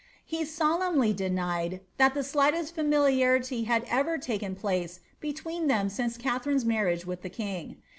He solemnly denied that the slightest familiarity had ever taken place between them since Katharine's marriage with tiie king.'